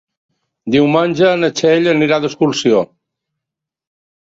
Diumenge na Txell anirà d'excursió.